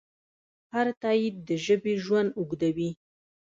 هر تایید د ژبې ژوند اوږدوي.